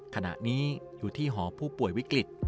ขณะนี้อยู่ที่หอผู้ป่วยวิกฤต